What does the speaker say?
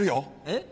えっ？